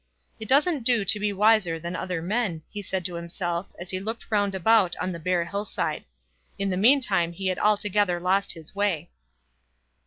"It doesn't do to be wiser than other men," he said to himself as he looked round about on the bare hill side. In the meantime he had altogether lost his way.